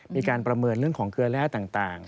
มีการประเมินเรื่องของเกลือแร่ต่าง